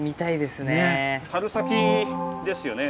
春先ですよね